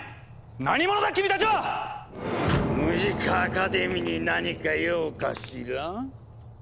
何者だ君たちは⁉ムジカ・アカデミーに何か用かしら？